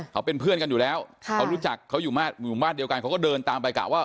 เขาเป็นเพื่อนกันอยู่แล้วเขารู้จักเขาอยู่หมู่บ้านเดียวกันเขาก็เดินตามไปกะว่า